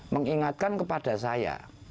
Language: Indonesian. mengingatkan kepada saya